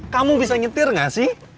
kamu ngerti ga sih